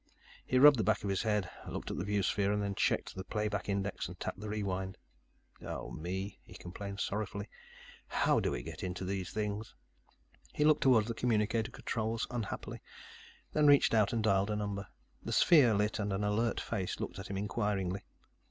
He rubbed the back of his head, looked at the viewsphere, then checked the playback index and tapped the rewind. "Oh, me," he complained sorrowfully, "how do we get into these things?" He looked toward the communicator controls unhappily, then reached out and dialed a number. The sphere lit and an alert face looked at him inquiringly.